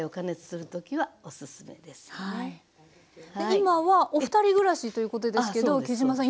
今はお二人暮らしということですけど杵島さん